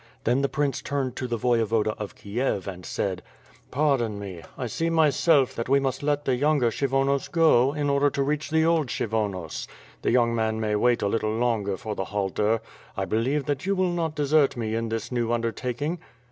Then the prince turned to the Voyevoda of Kiev and said: "Pardon me! I see myself that we must let the younger Kshyvonos go, in order, to reach the old Kshyvonos. The young man may wait a little longer for the halter. I believe that you will not desert me in this new undertaking."